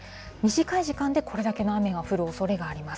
短い時間でこれだけの雨が降るおそれがあります。